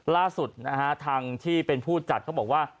ล่าสุดนะฮะทางที่เป็นผู้จัดเขาบอกว่า